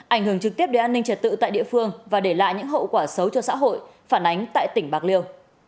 ảnh hưởng trực tiếp đến an ninh trật tự tại địa phương và để lại những hậu quả xấu cho xã hội phản ánh tại tỉnh bạc liêu